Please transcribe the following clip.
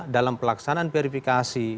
dalam pelaksanaan verifikasi